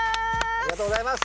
ありがとうございます！